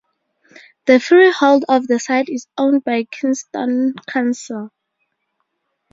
The freehold of the site is owned by Kingston Council.